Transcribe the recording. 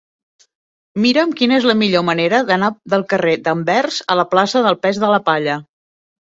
Mira'm quina és la millor manera d'anar del carrer d'Anvers a la plaça del Pes de la Palla.